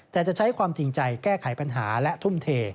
แต่จะใช้ความจริงใจแก้ไขปัญหาและทุ่มเท